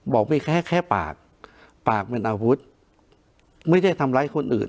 บอกมีแค่แค่ปากปากเป็นอาวุธไม่ได้ทำร้ายคนอื่น